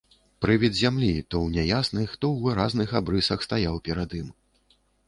Прывід зямлі, то ў няясных, то ў выразных абрысах, стаяў перад ім.